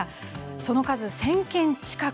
その数、１０００件近く。